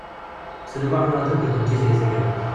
Ḥsen U Muḥ yuɣal d amdakel n Tiziri Tagawawt.